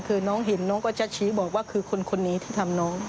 คือน้องเห็นน้องก็จะชี้บอกว่าคือคนนี้ที่ทำน้อง